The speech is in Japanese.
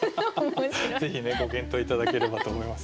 ぜひねご検討頂ければと思います。